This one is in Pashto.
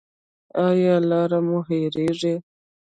ایا لارې مو هیریږي؟